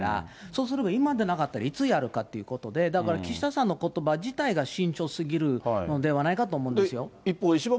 そうすれば、今じゃなかったらいつやるかということで、だから、岸田さんのことば自体が慎重すぎるのではないかと思うんですよ。